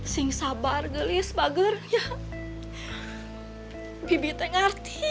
jangan lupa tante